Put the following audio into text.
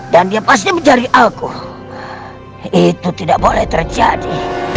dan dia pasti mencari aku itu tidak boleh terjadi